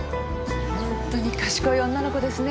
ホントに賢い女の子ですね